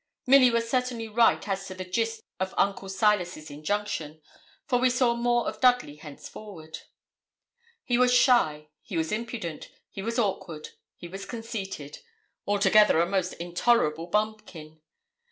Milly was certainly right as to the gist of Uncle Silas's injunction, for we saw more of Dudley henceforward. He was shy; he was impudent; he was awkward; he was conceited; altogether a most intolerable bumpkin.